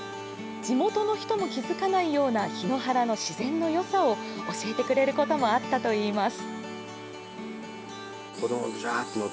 地元の人も気づかないような檜原の自然のよさを教えてくれることもあったといいます。